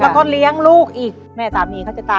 โปรดติดตามต่อไป